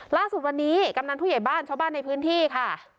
ล่าสุดวันนี้กำนันผู้ใหญ่บ้านชาวบ้านในพื้นที่ค่ะ